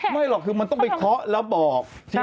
ไม่หรอกคือมันต้องไปเคาะแล้วบอก